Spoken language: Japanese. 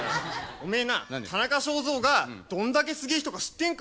おめえなあ田中正造がどんだけすげえ人か知ってんか？